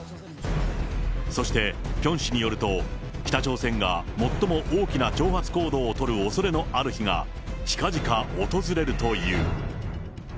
そして、ピョン氏によると、北朝鮮が最も大きな挑発行動を取るおそれのある日が近々訪れるという。